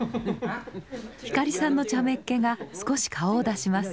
光さんのちゃめっ気が少し顔を出します。